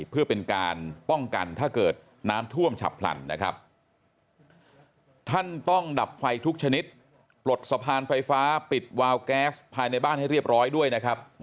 เพื่อเป็นการป้องกันถ้าเกิดน้ำท่วมฉับพลันนะครับท่านต้องดับไฟทุกชนิดปลดสะพานไฟฟ้าปิดวาวแก๊สภายในบ้านให้เรียบร้อยด้วยนะครับ